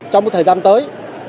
trong thời gian tới